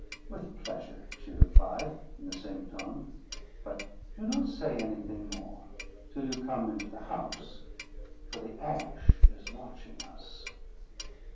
"With pleasure," she replied, in the same tone; "but do not say anything more, till you come into the house, for the Ash is watching us."